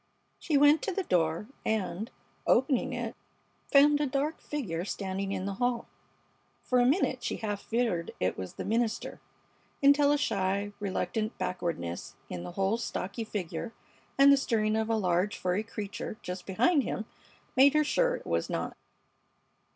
She went to the door, and, opening it, found a dark figure standing in the hall. For a minute she half feared it was the minister, until a shy, reluctant backwardness in the whole stocky figure and the stirring of a large furry creature just behind him made her sure it was not.